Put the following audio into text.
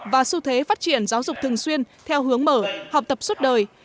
và xu thế phát triển giáo dục thường xuyên theo hướng mở học tập suốt đời